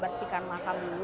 untuk masuk ke dalam cungkup